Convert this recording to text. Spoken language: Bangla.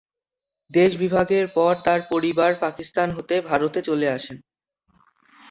দেশবিভাগের পর তার পরিবার পাকিস্তান হতে ভারতে চলে আসেন।